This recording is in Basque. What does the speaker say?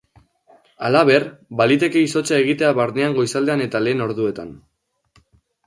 Halaber, baliteke izotza egitea barnean goizaldean eta lehen orduetan.